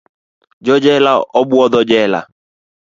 Jo jela obwotho jela.